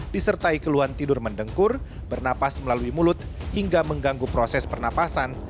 disertai keluhan tidur mendengkur bernapas melalui mulut hingga mengganggu proses pernapasan